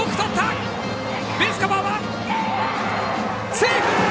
セーフ！